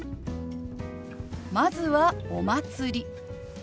まずは「お祭り」。